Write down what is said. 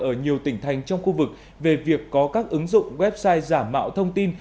ở nhiều tỉnh thành trong khu vực về việc có các ứng dụng website giả mạo thông tin